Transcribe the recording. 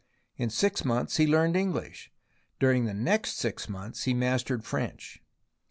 In six months he learned English ; during the next six months he mastered French.